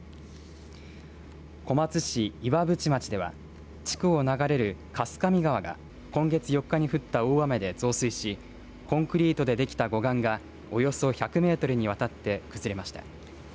小松市岩淵町では地区を流れる滓上川が今月４日に降った大雨で増水しコンクリートでできた護岸がおよそ１００メートルにわたって崩れました。